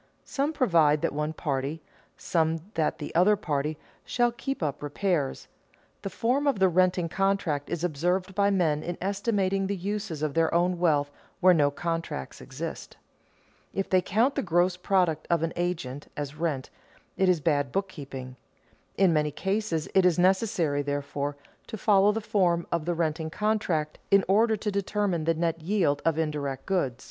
Some provide that one party, some that the other party, shall keep up repairs. The form of the renting contract is observed by men in estimating the uses of their own wealth where no contract exists. If they count the gross product of an agent as rent, it is bad bookkeeping. In many cases it is necessary, therefore, to follow the form of the renting contract in order to determine the net yield of indirect goods.